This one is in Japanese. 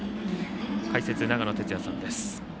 解説、長野哲也さんです。